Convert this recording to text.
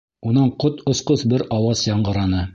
Унан ҡот осҡос бер ауаз яңғыраны.